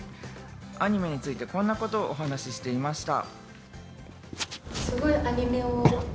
アニメについて、こんなことをお話していました。